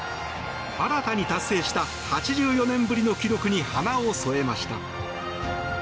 新たに達成した８４年ぶりの記録に花を添えました。